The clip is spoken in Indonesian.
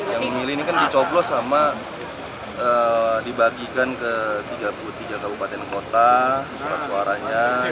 yang memilih ini kan dicoblos sama dibagikan ke tiga puluh tiga kabupaten kota surat suaranya